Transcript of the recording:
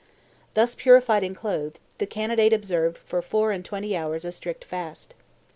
"Thus purified and clothed, the candidate observed for four and twenty hours a strict fast.